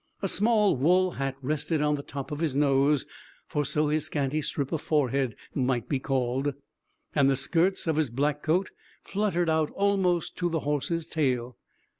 A small wool hat rested on the top of his nose, for so his scanty strip of forehead might be called, and the skirts of his black coat fluttered out almost to the horse's tail.